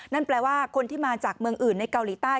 นั่นแปลว่าคนที่มาจากเมืองอื่นในเกาหลีใต้